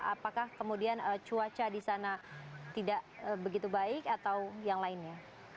apakah kemudian cuaca di sana tidak begitu baik atau yang lainnya